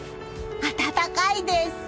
暖かいです。